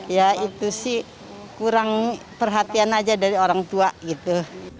ya itu sih kurang perhatian aja dari orang tua gitu